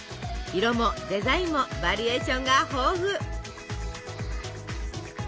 色もデザインもバリエーションが豊富！